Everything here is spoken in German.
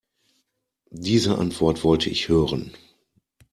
Diese Antwort wollte ich hören.